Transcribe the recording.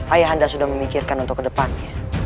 ayah anda sudah memikirkan untuk ke depannya